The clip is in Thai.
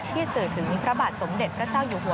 สื่อถึงพระบาทสมเด็จพระเจ้าอยู่หัว